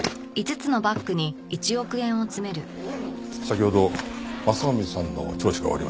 先ほど雅臣さんの聴取が終わりました。